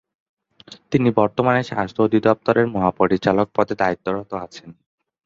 তিনি বর্তমানে স্বাস্থ্য অধিদপ্তরের মহাপরিচালক পদে দায়িত্বরত আছেন।